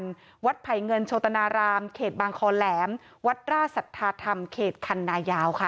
วัดไผ่เงินโชตนารามเขตบางคอแหลมวัดราชสัทธาธรรมเขตคันนายาวค่ะ